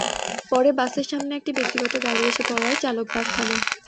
পরে বাসের সামনে একটি ব্যক্তিগত গাড়ি এসে পড়ায় চালক বাস থামান।